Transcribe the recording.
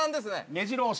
目白押し。